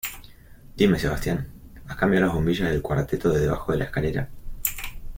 Dime, Sebastián, ¿has cambiado las bombillas del cuarteto de debajo de la escalera?